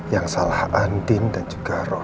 yang salah andin dan juga roh